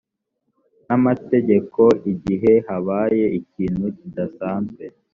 n amategeko igihe habaye ikintu kidasanzwe